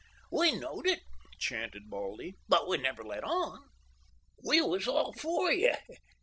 "We knowed it," chanted Baldy; "but we never let on. We was all for you.